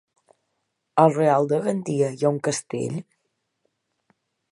A el Real de Gandia hi ha un castell?